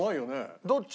どっち？